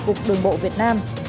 và các tổng cục đường bộ việt nam